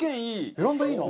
ベランダいいな！